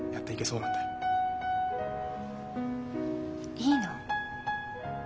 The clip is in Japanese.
いいの？